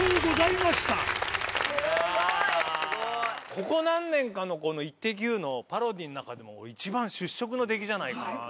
ここ何年かの『イッテＱ！』のパロディーの中でも一番出色の出来じゃないかな。